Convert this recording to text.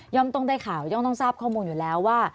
ต้องได้ข่าวย่อมต้องทราบข้อมูลอยู่แล้วว่า